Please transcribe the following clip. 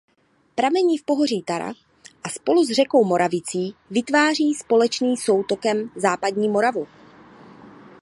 Pramení v pohoří Tara a spolu s řekou Moravicí vytváří společným soutokem Západní Moravu.